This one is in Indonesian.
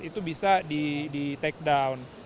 itu bisa di take down